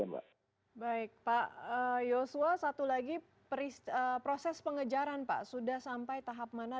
baik pak yosua satu lagi proses pengejaran pak sudah sampai tahap mana